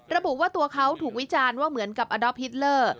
ระบุว่าตัวเขาถูกวิจารณ์ว่าเหมือนกับอดอลพิสเลอร์